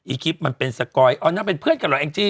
คลิปมันเป็นสกอยอ๋อนั่นเป็นเพื่อนกันเหรอแองจี้